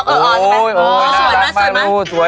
โอ๊ยน่ารักมาล้าลูกมันถ้าดูสวย